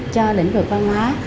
cho lĩnh vực văn hóa